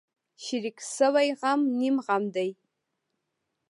شریک شوی غم نیم غم دی.